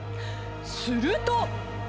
すると。